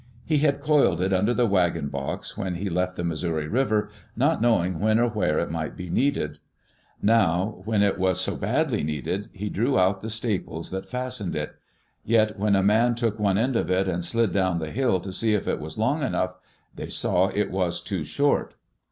He had coiled it under the wagon box when he left the Missouri River, not knowing when or where it might be needed. Now when it was so badly needed, he drew out the staples that fastened it. Yet when a man took one end of it and slid down the hill to see if it was long enough, they saw it was too short.